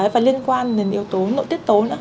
và liên quan đến yếu tố nội tiết tố nữa